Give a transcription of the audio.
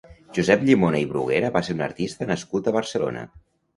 Josep Llimona i Bruguera va ser un artista nascut a Barcelona.